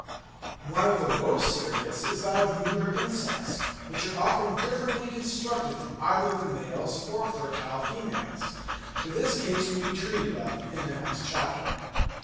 One of the most serious is that of neuter insects, which are often differently constructed from either the males or fertile females; but this case will be treated of in the next chapter.